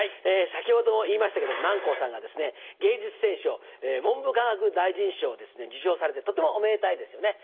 先ほども言いましたけど南光さんが芸術選奨文部科学大臣賞を受賞されてとってもおめでたいですよね。